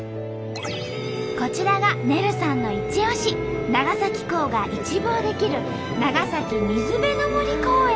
こちらがねるさんのイチオシ長崎港が一望できる長崎水辺の森公園。